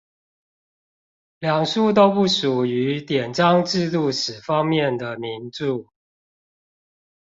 兩書都不屬於典章制度史方面的名著